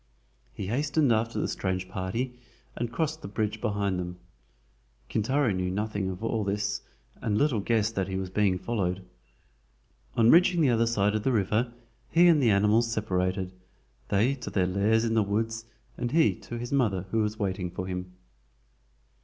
He hastened after the strange party and crossed the bridge behind them. Kintaro knew nothing of all this, and little guessed that he was being followed. On reaching the other side of the river he and the animals separated, they to their lairs in the woods and he to his mother, who was waiting for him.